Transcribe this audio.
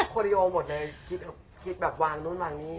โคลิโอหมดเลยคิดแบบวางนู่นวางนี่